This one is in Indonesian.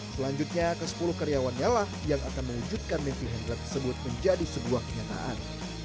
selanjutnya kesepuluh karyawannya lah yang akan mewujudkan mimpi hendra tersebut menjadi sebuah kenyataan